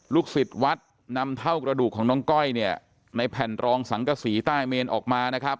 สิทธิ์วัดนำเท่ากระดูกของน้องก้อยเนี่ยในแผ่นรองสังกษีใต้เมนออกมานะครับ